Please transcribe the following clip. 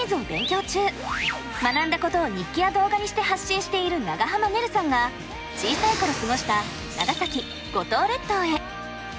学んだことを日記や動画にして発信している長濱ねるさんが小さい頃過ごした長崎・五島列島へ。